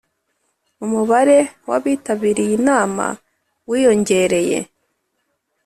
umubare wabitabiriye inama wiyongereye